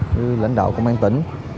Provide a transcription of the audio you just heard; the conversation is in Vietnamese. với lãnh đạo công an tỉnh